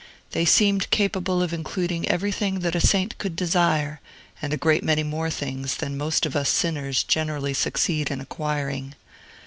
They seemed capable of including everything that a saint could desire, and a great many more things than most of us sinners generally succeed in acquiring.